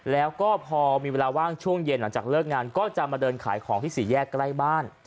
แล้วก็พอมีเวลาว่างช่วงเย็นหลังจากเลิกงานก็จะมาเดินขายของที่สี่แยกใกล้บ้าน